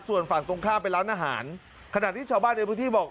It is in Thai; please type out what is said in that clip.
ส่วนฝั่งตรงข้ามเป็นร้านอาหารขณะที่ชาวบ้านในพื้นที่บอก